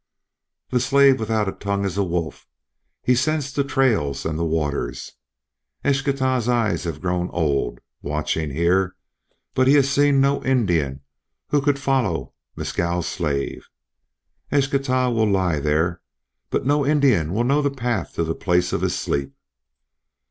"The slave without a tongue is a wolf. He scents the trails and the waters. Eschtah's eyes have grown old watching here, but he has seen no Indian who could follow Mescal's slave. Eschtah will lie there, but no Indian will know the path to the place of his sleep.